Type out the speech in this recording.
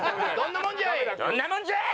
どんなもんじゃい！